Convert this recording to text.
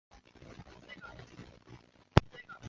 一说出自己姓。